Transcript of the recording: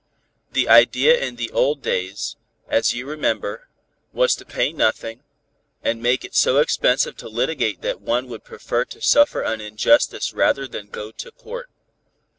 The idea in the old days, as you remember, was to pay nothing, and make it so expensive to litigate that one would prefer to suffer an injustice rather than go to court.